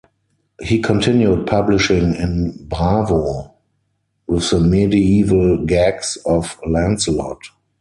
He continued publishing in "Bravo", with the medieval gags of "Lancelot".